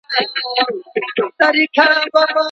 ښوونکي به په راتلونکي کې ګټورې مشورې ورکړي.